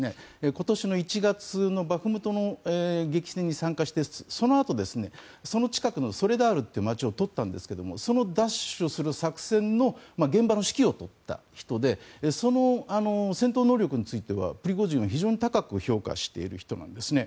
今年の１月のバフムトの激戦に参加してそのあとその近くのソレダルという街を取ったんですがその奪取をする作戦の現場の指揮を執った人でその戦闘能力についてはプリゴジンは非常に高く評価している人なんですね。